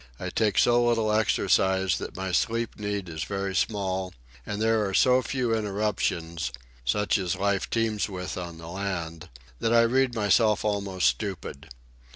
I take so little exercise that my sleep need is very small; and there are so few interruptions, such as life teems with on the land, that I read myself almost stupid.